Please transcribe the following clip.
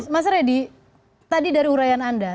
mas reddy tadi dari urayan anda